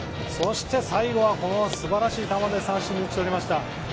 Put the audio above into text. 最後はすばらしい球で三振に打ち取りました。